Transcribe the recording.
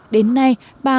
đến nay bà